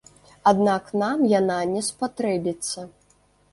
Аднак нам яна не спатрэбіцца.